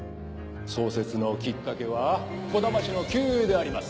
創設のきっかけは児玉の旧友であります